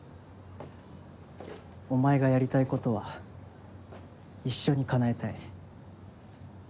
お前がやりたいことは一緒に叶えたい。